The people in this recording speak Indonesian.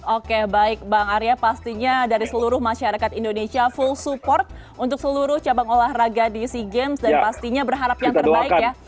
oke baik bang arya pastinya dari seluruh masyarakat indonesia full support untuk seluruh cabang olahraga di sea games dan pastinya berharap yang terbaik ya